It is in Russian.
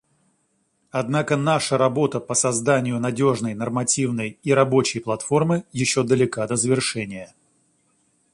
Однако наша работа по созданию надежной нормативной и рабочей платформы еще далека до завершения.